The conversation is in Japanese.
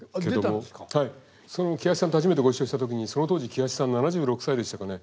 その喜八さんと初めてご一緒した時にその当時喜八さん７６歳でしたかね。